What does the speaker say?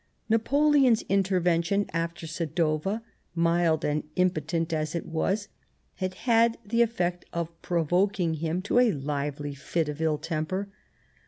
Napoleon's intervention after Sadowa, mild and impotent as it was, had had the effect of provoking him to a lively fit of ill temper.